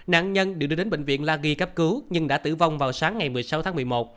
nạn nhân đều đưa đến bệnh viện la ghi cấp cứu nhưng đã tử vong vào sáng ngày một mươi sáu tháng một mươi một